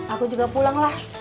aku juga pulang lah